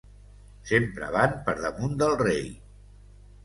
Sempre van per damunt del rei.